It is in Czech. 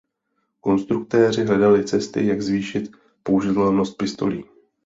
Konstruktéři hledali cesty jak zvýšit použitelnost pistolí.